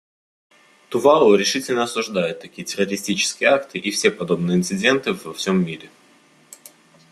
Тувалу решительно осуждает такие террористические акты и все подобные инциденты во всем мире.